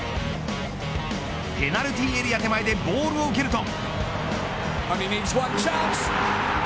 ペナルティーエリア手前でボールを蹴ると。